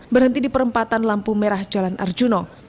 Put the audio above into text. berhenti di perempatan lampu merah jalan arjuna